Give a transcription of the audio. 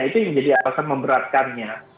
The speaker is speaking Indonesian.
itu yang menjadi alasan memberatkannya